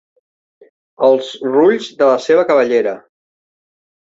Els rulls de la seva cabellera.